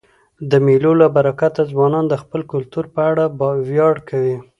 د مېلو له برکته ځوانان د خپل کلتور په اړه ویاړ کوي.